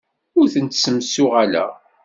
Ur ten-ssemsuɣaleɣ.